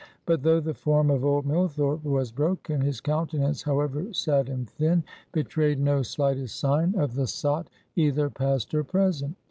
But though the form of old Millthorpe was broken, his countenance, however sad and thin, betrayed no slightest sign of the sot, either past or present.